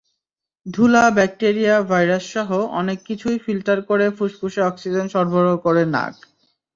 ধুলা, ব্যাকটেরিয়া, ভাইরাসসহ অনেক কিছুই ফিল্টার করে ফুসফুসে অক্সিজেন সরবরাহ করে নাক।